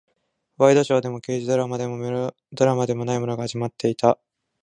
ワイドショーでも、刑事ドラマでも、メロドラマでもないものが始まっていた。